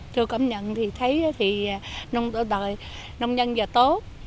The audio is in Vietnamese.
tôi cảm nhận thì thấy nông dân già tốt